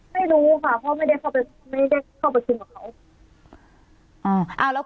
ไม่รู้ค่ะเพราะไม่ได้เข้าไปขึ้นกับเขา